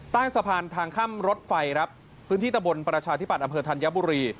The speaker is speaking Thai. ใต้สะพานทางคั่มรถไฟครับพื้นที่ตะบลปรชาอธิปัตย์อเผิญธัณฑ์เยอะบุรี